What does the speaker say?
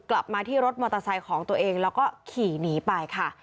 กลับมาที่รถมอเตอร์ไซค์ของตัวเองแล้วก็ขี่หนีไปค่ะ